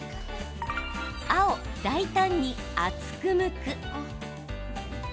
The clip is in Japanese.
青・大胆に厚くむく。